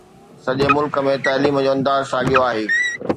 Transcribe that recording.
سڄي ملڪ ۾ تعليم جو انداز ساڳيو آهي.